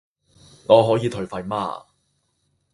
我可以退費嗎